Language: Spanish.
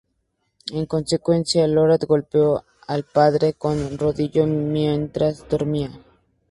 En consecuencia, Lothar golpeó al padre con el rodillo mientras dormía.